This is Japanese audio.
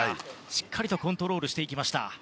しっかりとコントロールしていきました。